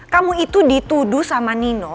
kamu itu dituduh sama nino